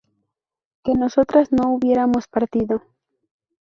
que nosotras no hubiéramos partido